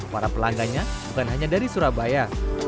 para pelanggannya bukan hanya dari surabaya